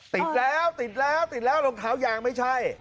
ติดแล้วติดแล้วติดแล้วรองเท้ายางไม่ใช่